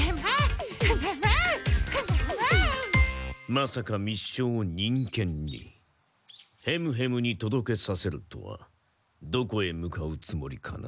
まさか密書を忍犬にヘムヘムに届けさせるとはどこへ向かうつもりかな？